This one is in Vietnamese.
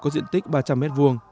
có diện tích ba trăm linh m hai